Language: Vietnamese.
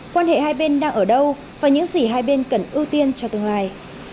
quan hệ hai bên đang ở đâu và những gì hai bên cần ưu tiên cho tương lai